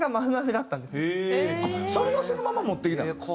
それをそのまま持ってきたの？